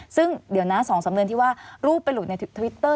ซึ่งเดี๋ยวนะ๒สำนวนที่ว่ารูปไปหลุดในทวิตเตอร์